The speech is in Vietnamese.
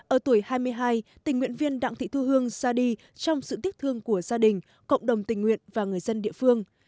ở tuổi hai mươi hai tình nguyện viên đặng thị thu hương ra đi trong sự tiếc thương của gia đình cộng đồng tình nguyện và người dân địa phương